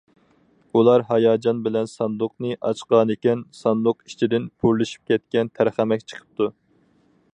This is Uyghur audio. ئۇلار ھاياجان بىلەن ساندۇقنى ئاچقانىكەن، ساندۇق ئىچىدىن پورلىشىپ كەتكەن تەرخەمەك چىقىپتۇ.